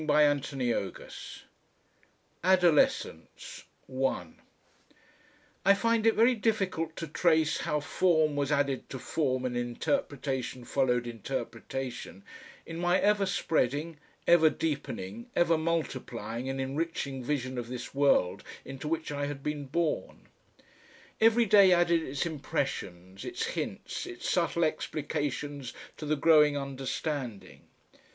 CHAPTER THE FOURTH ~~ ADOLESCENCE 1 I find it very difficult to trace how form was added to form and interpretation followed interpretation in my ever spreading, ever deepening, ever multiplying and enriching vision of this world into which I had been born. Every day added its impressions, its hints, its subtle explications to the growing understanding.